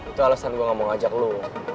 itu alasan gue gak mau ngajak lu